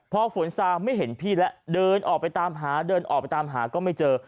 พอฝนซางไม่เห็นพี่แล้วเดินออกไปตามหาเดินออกไปตามหาก็ไม่เจอ